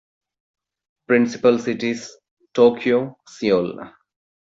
"Principal cities: Tokyo, Seoul"